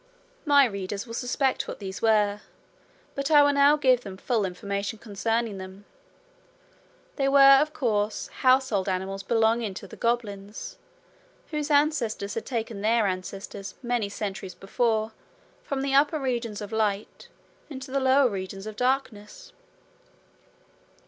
My readers will suspect what these were; but I will now give them full information concerning them. They were, of course, household animals belonging to the goblins, whose ancestors had taken their ancestors many centuries before from the upper regions of light into the lower regions of darkness.